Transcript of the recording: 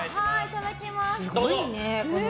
いただきます。